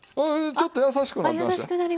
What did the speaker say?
あっ優しくなりました。